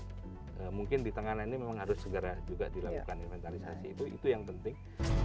jadi mungkin di tengah lainnya memang harus segera juga dilakukan inventarisasi itu yang penting